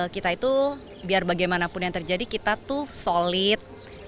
kita itu biar bagaimanapun yang terjadi kita tuh solid